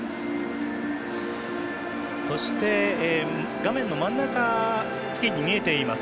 画面の真ん中付近に見えています